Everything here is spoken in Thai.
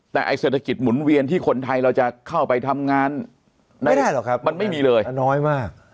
แต่ไอเศรษฐกิจหมุนเวียนที่คนไทยเราจะเข้าไปทำงานไม่ได้หรอกครับมันไม่มีเลยน้อยมาก